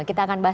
kita akan lihat